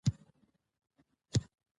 دا ژورنال د اندنوټونو کارول شرط ګڼي.